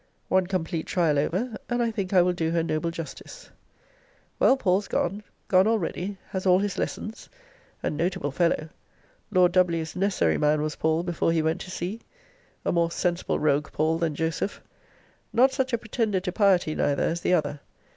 One complete trial over, and I think I will do her noble justice. Well, Paul's gone gone already has all his lessons. A notable fellow! Lord W.'s necessary man was Paul before he went to sea. A more sensible rogue Paul than Joseph! Not such a pretender to piety neither as the other.